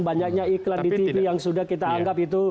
banyaknya iklan di tv yang sudah kita anggap itu